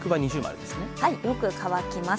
よく乾きます。